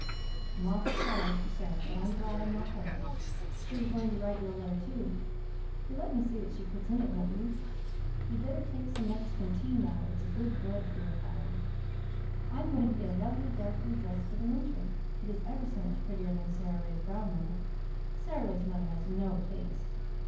I'm awful sorry for Sara but I'm glad I'm not her. She is going to write you a letter too. You'll let me see what she puts in it, won't you? You'd better take some Mexican Tea now. It's a great blood purifyer. "I am going to get a lovely dark blue dress for the winter. It is ever so much prettier than Sara Ray's brown one. Sara Ray's mother has no taste.